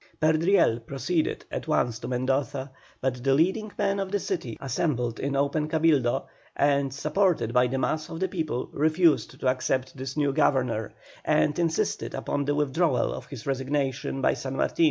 Perdriel proceeded at once to Mendoza, but the leading men of the city assembled in open Cabildo and, supported by the mass of the people, refused to accept this new Governor, and insisted upon the withdrawal of his resignation by San Martin.